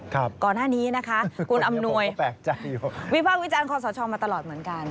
ครับคนนี้ผมก็แปลกใจอยู่คุณอำนวยวิภาควิจารณ์คอสชมาตลอดเหมือนกัน